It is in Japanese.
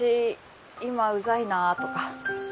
今うざいなとか。